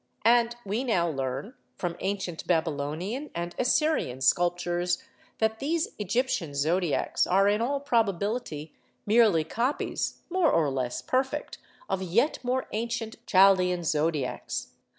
And we now learn, from ancient Babylonian and Assyrian sculptures, that these Egyptian zodiacs are in all probability merely copies (more or less perfect) of yet more ancient Chaldæan zodiacs.